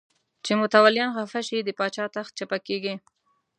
چې متولیان خفه شي د پاچا تخت چپه کېږي.